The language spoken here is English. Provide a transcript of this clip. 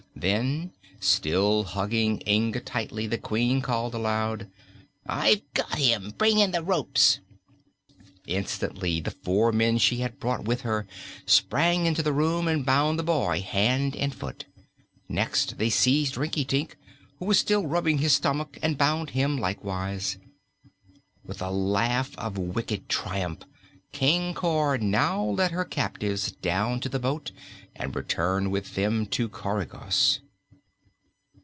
Then, still hugging Inga tightly, the Queen called aloud: "I've got him! Bring in the ropes." Instantly the four men she had brought with her sprang into the room and bound the boy hand and foot. Next they seized Rinkitink, who was still rubbing his stomach, and bound him likewise. With a laugh of wicked triumph, Queen Cor now led her captives down to the boat and returned with them to Coregos.